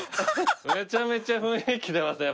めちゃめちゃ雰囲気出ますね